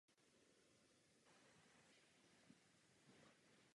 Bývá nazýván "stavitel škol a mistr sgrafita".